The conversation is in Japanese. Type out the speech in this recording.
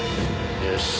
よし。